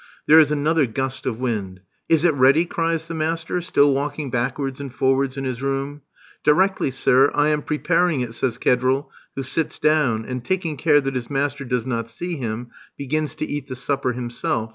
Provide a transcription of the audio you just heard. There is another gust of wind. "Is it ready?" cries the master, still walking backwards and forwards in his room. "Directly, sir. I am preparing it," says Kedril, who sits down, and, taking care that his master does not see him, begins to eat the supper himself.